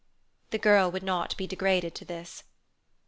The girl would not be degraded to this.